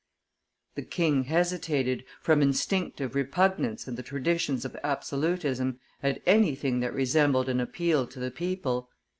The king hesitated, from instinctive repugnance and the traditions of absolutism, at anything that resembled an appeal to the people.